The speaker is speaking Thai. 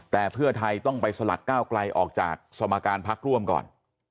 แต่เพื่อไทยต้องไปสลัดก้าวไกลออกจากสมการพักร่วมก่อน